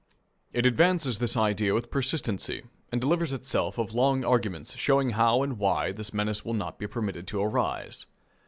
It advances this idea with persistency, and delivers itself of long arguments showing how and why this menace will not be permitted to arise.